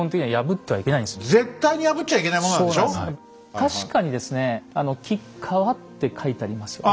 確かにですね「吉川」って書いてありますよね。